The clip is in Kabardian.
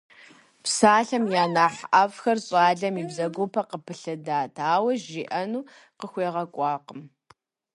Псалъэм я нэхъ ӀэфӀхэр щӀалэм и бзэгупэ къыпылъэдат, ауэ жиӀэну къыхуегъэкӀуакъым.